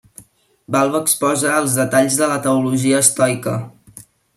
Balb exposa els detalls de la teologia estoica.